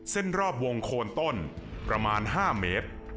เส้นรอบวงโคนต้นประมาณ๕เมตร